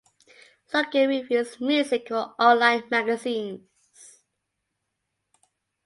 Logan reviews music for online magazines.